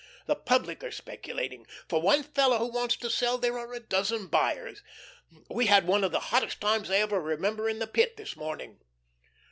The public are speculating. For one fellow who wants to sell there are a dozen buyers. We had one of the hottest times I ever remember in the Pit this morning."